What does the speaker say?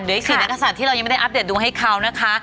อีก๔นักศัตริย์ที่เรายังไม่ได้อัปเดตดูให้เขานะคะ